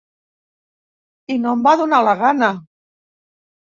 I no em va donar la gana.